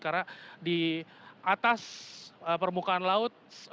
karena di atas permukaan laut